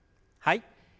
はい。